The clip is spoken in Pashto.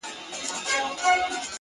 اوس مي لا په هر رگ كي خـوره نـــه ده _